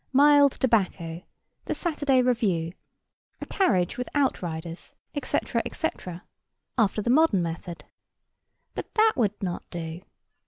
Mild tobacco. The Saturday Review. A carriage with outriders, etc. etc. After the modern method. But that would not do.